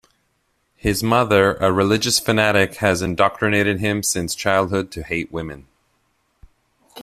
His mother, a religious fanatic, has indoctrinated him since childhood to hate women.